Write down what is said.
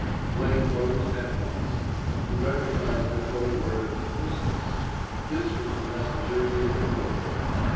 Blake rose, at once. He recognized the code word of "Christmas." This was the messenger he had been awaiting.